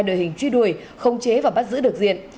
đội hình truy đuổi khống chế và bắt giữ được diện